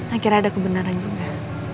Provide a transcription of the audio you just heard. akhirnya ada kebenaran juga